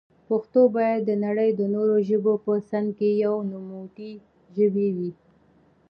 پښتو بايد دنړی د نورو ژبو په څنګ کي يوه نوموتي ژبي وي.